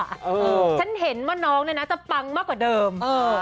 ฉันเห็นว่าน้องเนี่ยนะจะปังมากกว่าเดิม